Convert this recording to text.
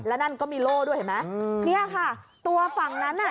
แล้วนั่นก็มีโล่ด้วยเห็นไหมเนี่ยค่ะตัวฝั่งนั้นน่ะ